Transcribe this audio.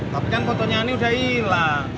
tapi kan fotonya ini sudah hilang